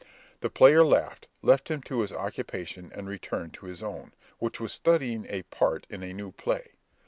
The player laughed, left him to his occupation, and returned to his own, which was studying a part in a new play.